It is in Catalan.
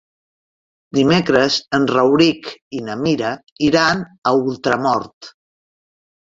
Dimecres en Rauric i na Mira iran a Ultramort.